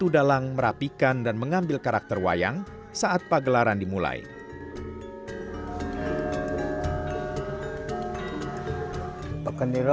sebelumnya suyadno juga menjadi tempat sejumlah abdi dalam wanita